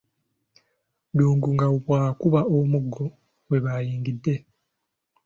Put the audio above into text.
Ddungu nga bw'akuba omuggo we bayigidde.